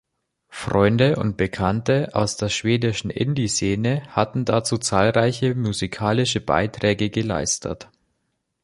Freunde und Bekannte aus der schwedischen Indieszene hatten dazu zahlreiche musikalische Beiträge geleistet.